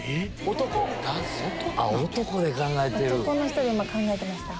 男の人で今考えてますね。